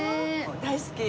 大好き。